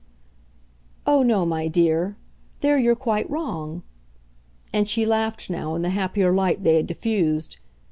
"Oh no, my dear; there you're quite wrong." And she laughed now in the happier light they had diffused.